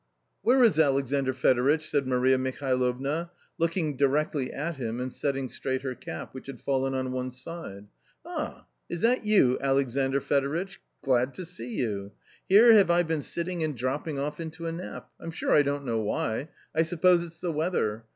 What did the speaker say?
Where is Alexandr Fedoritch ?" said Maria Mihal ovna, looking directly at him and setting straight her cap, which had fallen on one side. " Ah, is that you, Alexandr Fedoritch? Glad to see you. Here have I been sitting and dropping off into a nap. I'm sure I don't know why, I suppose it's the weather.